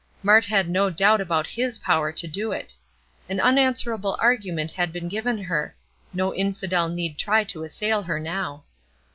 Mart had no doubt about His power to do it. An unanswerable argument had been given her. No infidel need try to assail her now.